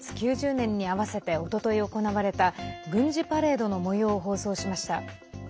９０年に合わせておととい行われた軍事パレードのもようを放送しました。